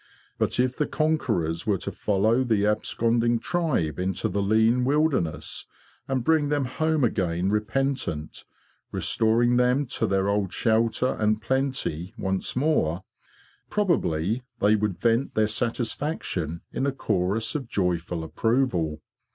But if the conquerors were to follow the absconding tribe into the lean wilderness and bring them home again repentant, restoring them to their old shelter and plenty once more, probably they would vent their satisfaction in a chorus of joyful approval.